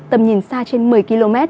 tầm nhìn xa trên một mươi km